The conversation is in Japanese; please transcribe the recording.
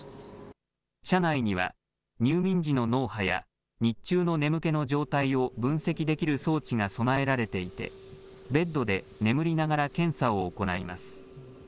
車内には入眠時の脳波や、日中の眠気の状態を分析できる装置が備えられていて、ベッドで眠りながら検査を行えます。